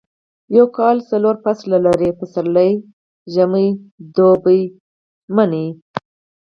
یو کال څلور فصله لري پسرلی اوړی دوبی ژمی